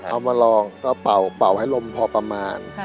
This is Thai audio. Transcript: เอามาลองก็เป่าให้ลมพอประมาณ